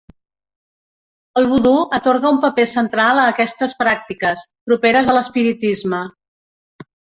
El vodú atorga un paper central a aquestes pràctiques, properes a l'espiritisme.